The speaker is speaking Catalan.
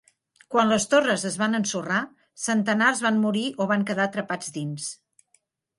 Quan les torres es van ensorrar, centenars van morir o van quedar atrapats dins.